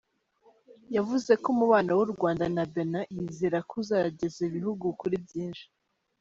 Yavuze ko umubano w’u Rwanda na Benin yizera ko uzageza ibihugu kuri byinshi.